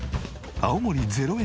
青森０円